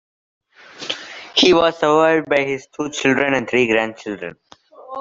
He was survived by his two children and three grandchildren.